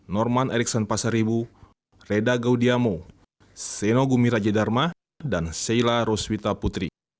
norman erikson pasaribu reda gaudiamo senogumi rajadharma dan sheila roswita putri